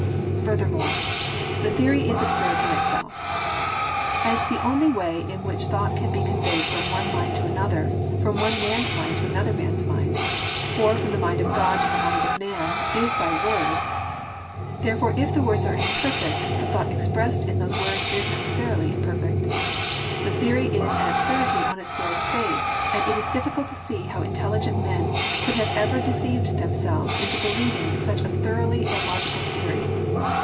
Furthermore, the theory is absurd in itself. As the only way in which thought can be conveyed from one mind to another, from one man's mind to another man's mind, or from the mind of God to the mind of man is by words, therefore if the words are imperfect the thought expressed in those words is necessarily imperfect. The theory is an absurdity on its very face, and it is difficult to see how intelligent men could have ever deceived themselves into believing such a thoroughly illogical theory.